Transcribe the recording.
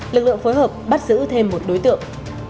lực lượng phối hợp bắt giữ thêm một đối tượng